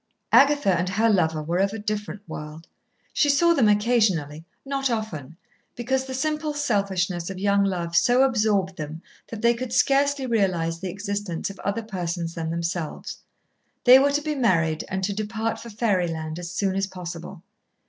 Agatha and her lover were of a different world. She saw them occasionally, not often, because the simple selfishness of young love so absorbed them that they could scarcely realise the existence of other persons than themselves. They were to be married, and to depart for fairyland as soon as possible.